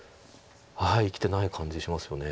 生きてない感じしますよね。